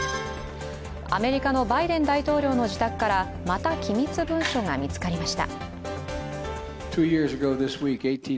アメリカのバイデン大統領の自宅からまた機密文書が見つかりました。